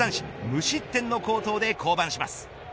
無失点の好投で降板します。